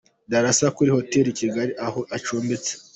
Darassa kuri hotel i Kigali aho acumbitse.